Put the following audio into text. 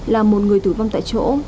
là một người tử vong tại chỗ